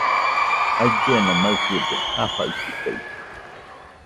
Ailluena maɨde, jafaikɨtaide.